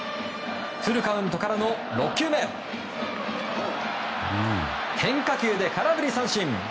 フルカウントからの６球目変化球で空振り三振！